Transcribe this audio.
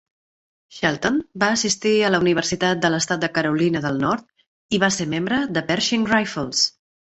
Shelton va assistir a la Universitat de l'Estat de Carolina del Nord i va ser membre de Pershing Rifles.